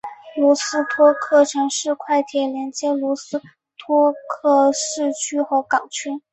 罗斯托克城市快铁连接罗斯托克市区和港区。